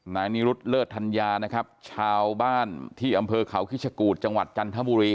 นายนิรุธเลิศธัญญานะครับชาวบ้านที่อำเภอเขาคิชกูธจังหวัดจันทบุรี